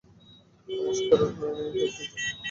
নমস্কার, কেভটজি।